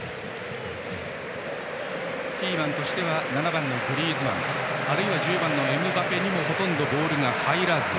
キーマンとしては７番のグリーズマンあるいは１０番のエムバペにもほとんどボールが入らず。